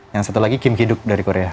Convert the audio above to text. yang satu lagi kim ki duk dari korea